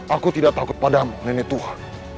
aku tidak takut padamu nenek tua